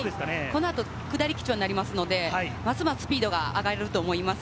この後、下り基調になりますので、ますますスピードが上がると思います。